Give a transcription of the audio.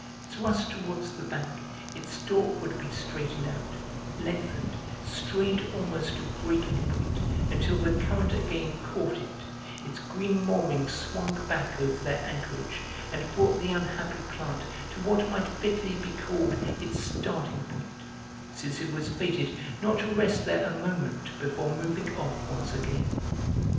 Thrust towards the bank, its stalk would be straightened out, lengthened, strained almost to breaking point until the current again caught it, its green moorings swung back over their anchorage and brought the unhappy plant to what might fitly be called its starting point, since it was fated not to rest there a moment before moving off once again.